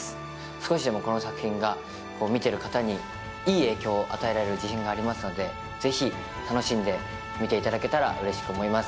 少しでもこの作品が見ている方にいい影響を与えられる自信がありますので、ぜひ、楽しんで見ていただけたらうれしく思います。